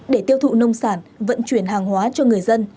để tiêu thụ nông sản vận chuyển hàng hóa cho người dân